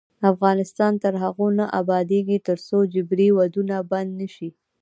افغانستان تر هغو نه ابادیږي، ترڅو جبري ودونه بند نشي.